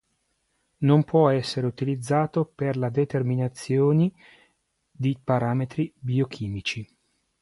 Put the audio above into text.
Non può essere utilizzato per la determinazioni di parametri biochimici.